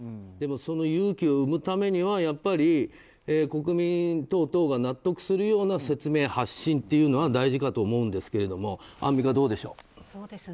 でも、その勇気を生むためには国民等々が納得するような説明発信というのが大事かと思うんですけれどもアンミカ、どうでしょう。